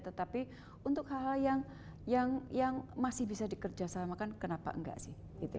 tetapi untuk hal hal yang masih bisa dikerjasamakan kenapa enggak sih